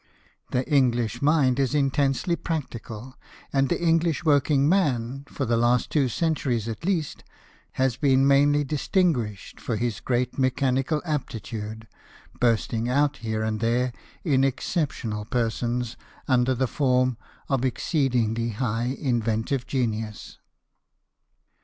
The English mind is intensely practical, and the English working man, for the last two centuries at least, has been mainly distinguished for his great mechanical aptitude, bursting out, here and there, in exceptional persons, under the form of exceedingly high inventive genius.